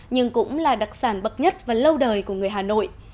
nhưng cũng là đặc sản bậc nhất và lâu đời của người hà nội